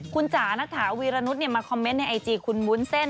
คุณจ๋านัทถาวีรนุษย์มาคอมเมนต์ในไอจีคุณวุ้นเส้น